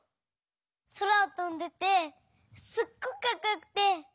そらをとんでてすっごくかっこよくて。